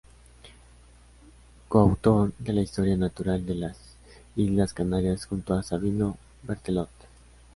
Coautor de la "Historia Natural de las Islas Canarias", junto a Sabino Berthelot.